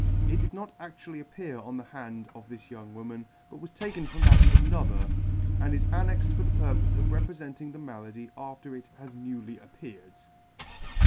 It did not actually appear on the hand of this young woman, but was taken from that of another, and is annexed for the purpofe of reprefenting the malady after it has newly appeared.